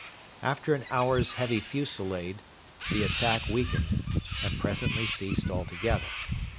After an hour's heavy fusillade the attack weakened, and presently ceased altogether.